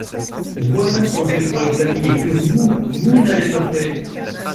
Voilà ce qu’on fait pour les familles et que vous, vous n’avez pas fait.